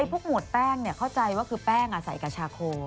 พวกหมวดแป้งเนี่ยเข้าใจว่าแป้งใส่กับชาโค